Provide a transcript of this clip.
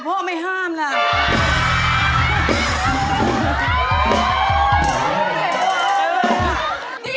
พ่อเชื่อมันในตัวลูกพ่อได้